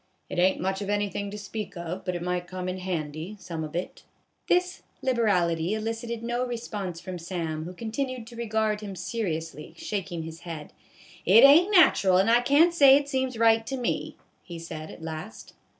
" It ain't much of anythin' to speak of, but it might come in handy, some of it." This liberality elicited no response from Sam, who continued to regard him seriously, shaking his head. " It ain't natural and I can't say it seems right to me," he said at last.